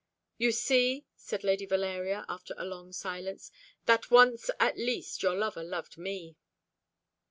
"You see," said Lady Valeria, after a long silence, "that once at least your lover loved me."